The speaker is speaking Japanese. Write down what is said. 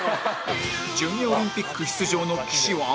ジュニアオリンピック出場の岸は